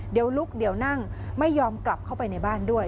เดี๋ยวลุกเดี๋ยวนั่งไม่ยอมกลับเข้าไปในบ้านด้วย